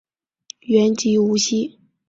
原籍无锡。